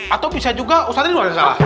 atau bisa juga ustadz yang salah